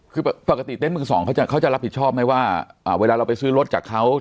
คือปกติเต้นมือสองเขาจะรับผิดชอบไหมว่าเวลาเราไปซื้อรถจากเขา